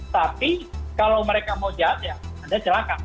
tapi kalau mereka mau jahat ya ada silakan